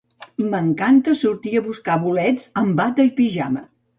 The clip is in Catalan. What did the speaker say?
M'encanta sortir a buscar bolets amb bata i pijama.